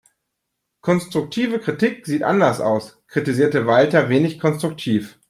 Konstruktive Kritik sieht anders aus, kritisierte Walter wenig konstruktiv.